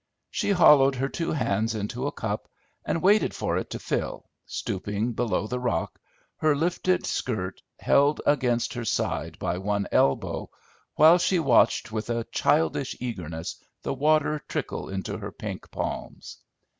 She hollowed her two hands into a cup, and waited for it to fill, stooping below the rock, her lifted skirt held against her side by one elbow, while she watched with a childish eagerness the water trickle into her pink palms.